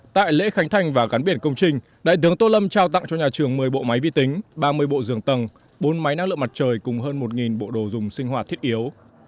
tại lễ khánh thành và gắn biển công trình đại tướng tô lâm trao tặng cho nhà trường một mươi bộ máy vi tính ba mươi bộ giường tầng bốn máy năng lượng mặt trời cùng hơn một bộ đồ dùng sinh hoạt thiết yếu